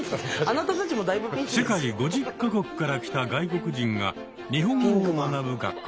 世界５０か国から来た外国人が日本語を学ぶ学校です。